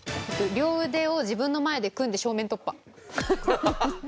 両腕を自分の前で組んで正面突破。